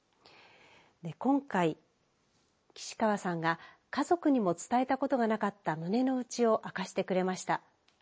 今回、岸川さんが家族にも伝えたことがなかった胸の内を明かしてくれました。